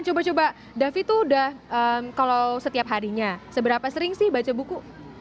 coba coba davi tuh udah kalau setiap harinya seberapa sering sih baca buku